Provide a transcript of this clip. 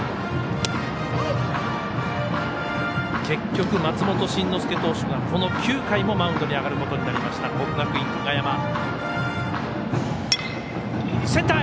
結局、松本慎之介投手がこの９回もマウンドに上がることになりました国学院久我山。